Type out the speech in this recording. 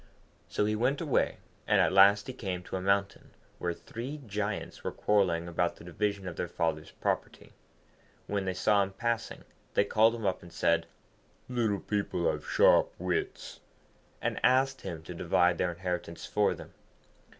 So he went away, and at last he came to a mountain, where three Giants were quarrelling about the division of their father's property. When they saw him passing, they called him up, and said, 'Little people have sharp wits,' and asked him to divide their inheritance for them.